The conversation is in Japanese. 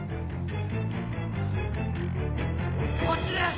・こっちです！